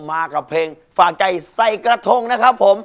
มากับเพลงฝากใจใส่กระทงนะครับผม